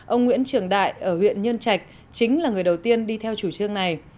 ông nguyễn trường đại ở huyện nhân trạch chính là người đầu tiên đi theo chủ trương này